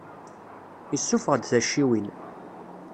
Issuffeɣ-d taciwin.